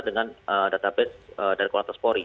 dengan database dari kualitas polri